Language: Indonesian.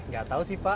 gak tau sih pak